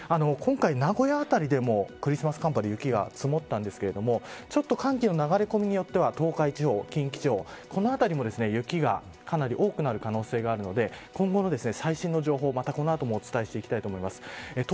今回、名古屋辺りでもクリスマス寒波、雪が積もったんですけれどもちょっと寒気の流れ込みによっては東海地方や近畿地方この辺りも雪がかなり多くなる可能性があるので今後の最新の情報、この後もお伝えしていきたいと思います。